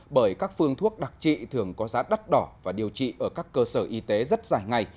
bởi các phương thuốc đặc trị thường có giá đắt đỏ và điều trị ở các cơ sở y tế rất dài ngày